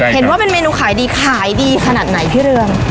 เห็นว่าเป็นเมนูขายดีขายดีขนาดไหนพี่เรือง